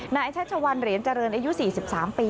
ชัชวัลเหรียญเจริญอายุ๔๓ปี